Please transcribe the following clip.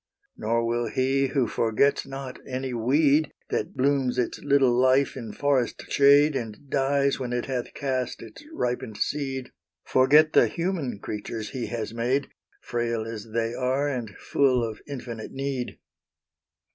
Nor will He who forgets not any weed That blooms its little life in forest shade, And dies when it hath cast its ripened seed, Forget the human creatures He has made, Frail as they are, and full of infinite need.